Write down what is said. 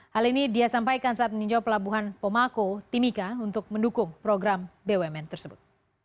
hal ini dia sampaikan saat meninjau pelabuhan pomako timika untuk mendukung program bumn tersebut